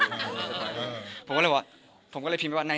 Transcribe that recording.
ผมก็เลยว่าผมก็เลยพิมพ์ไว้ว่าไหน